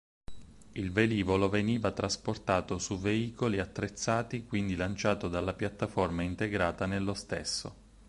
Il velivolo veniva trasportato su veicoli attrezzati quindi lanciato dalla piattaforma integrata nello stesso.